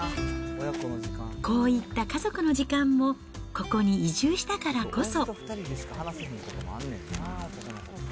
こういった家族の時間も、ここに移住したからこそ。